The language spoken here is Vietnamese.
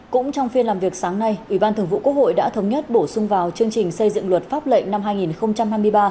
cũng trong phiên làm việc sáng nay ubqvn đã thống nhất bổ sung vào chương trình xây dựng luật pháp lệnh năm hai nghìn hai mươi ba